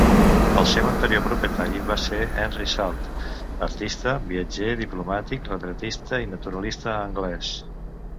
El seu anterior propietari va ser Henry Salt, artista, viatger, diplomàtic, retratista, i naturalista anglès.